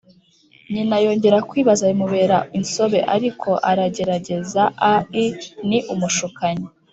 Nyina Yongera kwibaza bimubera insobe, ariko aragerageza ai ni umushukanyi